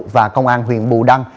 và công an huyện bù đăng